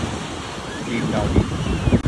ทีมดาวดิน